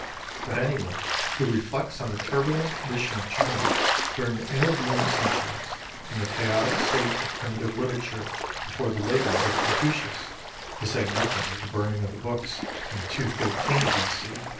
But anyone who reflects on the turbulent condition of China during the intervening centuries, and the chaotic state of primitive literature before the labours of Con fucius, to say nothing of the Burning of the Books in 213 B.C.